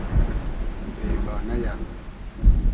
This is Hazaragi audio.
بېگانۂ یۂ